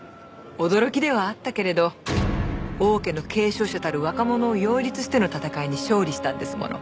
驚きではあったけれど王家の継承者たる若者を擁立しての戦いに勝利したんですもの。